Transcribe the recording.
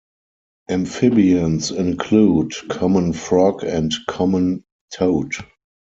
Amphibians include: common frog and common toad.